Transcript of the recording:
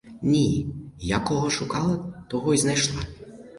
Ні, я кого шукала, того й знайшла.